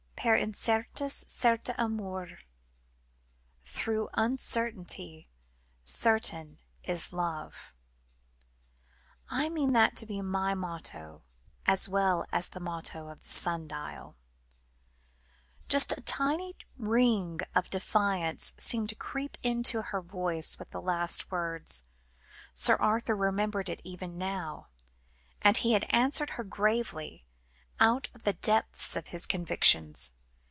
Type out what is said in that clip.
"Per incertas, certa amor." (Through uncertainty, certain is love.) "I mean that to be my motto, as well as the motto of the sun dial"; just a tiny ring of defiance seemed to creep into her voice with the last words; Sir Arthur remembered it even now, and he had answered her gravely, out of the depths of his convictions.